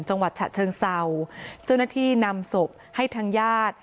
จังหวัดฉะเชิงเศร้าเจ้าหน้าที่นำศพให้ทางญาติ